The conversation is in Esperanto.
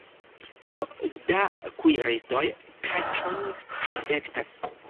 Tro da kuiristoj kaĉon difektas.